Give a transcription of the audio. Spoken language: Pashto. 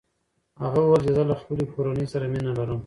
هغه وویل چې زه له خپلې کورنۍ سره مینه لرم.